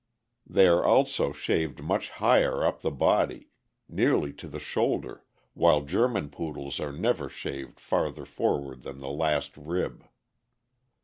They are also shaved much higher up the body, nearly to the shoulder, while German Poodles are never shaved farther forward than the last rib.